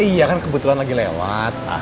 iya kan kebetulan lagi lewat